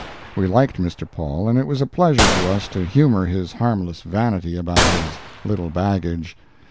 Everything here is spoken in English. We liked Mr. Paul, and it was a pleasure to us to humor his harmless vanity about his little baggage.